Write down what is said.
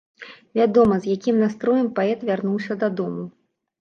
Вядома, з якім настроем паэт вярнуўся дадому.